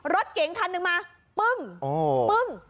รถเก๋งคันหนึ่งมาปึ้งปึ้ง